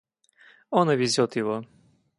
Он увезет его.